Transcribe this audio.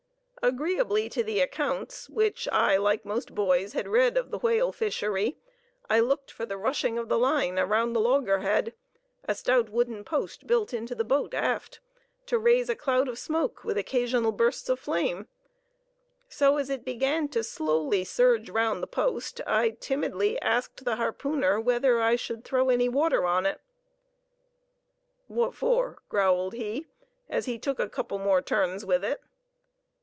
Agreeably to the accounts which I, like most boys, had read of the whale fishery, I looked for the rushing of the line round the loggerhead (a stout wooden post built into the boat aft), to raise a cloud of smoke with occasional bursts of flame; so as it began to slowly surge round the post I timidly asked the harpooner whether I should throw any water on it. "Wot for?" growled he, as he took a couple more turns with it.